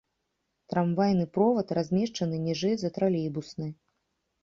Трамвайны провад размешчаны ніжэй за тралейбусны.